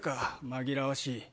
紛らわしい。